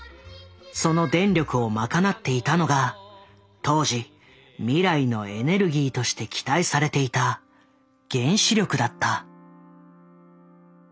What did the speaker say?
その電力を賄っていたのが当時未来のエネルギーとして期待されていた原子力だった。